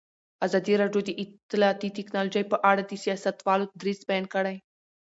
ازادي راډیو د اطلاعاتی تکنالوژي په اړه د سیاستوالو دریځ بیان کړی.